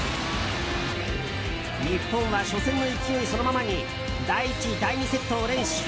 日本は初戦の勢いそのままに第１、第２セットを連取。